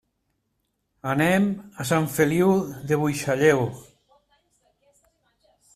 Anem a Sant Feliu de Buixalleu.